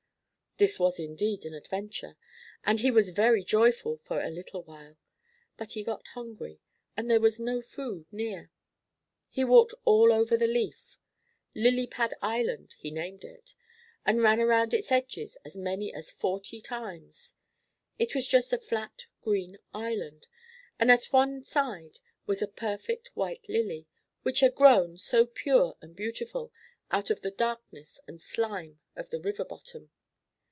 This was indeed an adventure, and he was very joyful for a little while. But he got hungry, and there was no food near. He walked all over the leaf, Lily Pad Island he named it, and ran around its edges as many as forty times. It was just a flat, green island, and at one side was a perfect white lily, which had grown, so pure and beautiful, out of the darkness and slime of the river bottom.